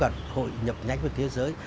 giúp cả hội nhập nhánh vào thế giới